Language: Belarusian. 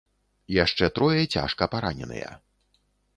Яшчэ трое цяжка параненыя.